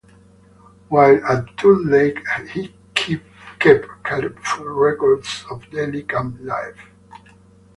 While at Tule Lake, he kept careful records of daily camp life.